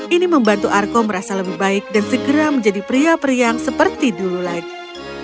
ini membantu arko merasa lebih baik dan segera menjadi pria priang seperti dulu lagi